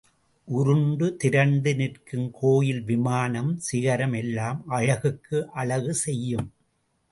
உருண்டு திரண்டு நிற்கும் கோயில் விமானம், சிகரம் எல்லாம் அழகுக்கு அழகு செய்யும்.